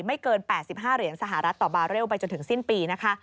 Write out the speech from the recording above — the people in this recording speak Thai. ไม่เกิน๘๕เหรียญสหรัฐต่อบาเรลไปจนถึงสิ้นปีนะคะ